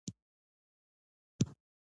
پکتیکا د افغانستان د کلتوري میراث برخه ده.